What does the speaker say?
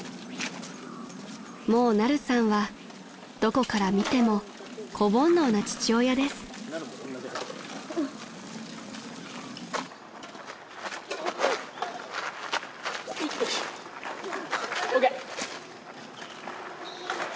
［もうナルさんはどこから見ても子煩悩な父親です］ＯＫ！